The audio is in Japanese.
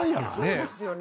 そうですよね。